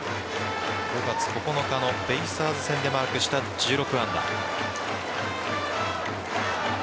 ５月９日のベイスターズ戦でマークした１６安打。